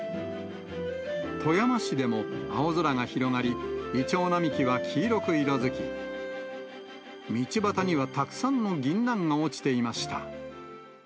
富山市でも、青空が広がり、イチョウ並木は黄色く色づき、道端にはたくさんのギンナンが落ちていました。